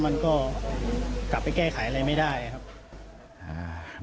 มันก็กลับไปแก้ไขอะไรไม่ได้ครับอ่า